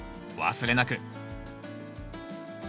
お忘れなく！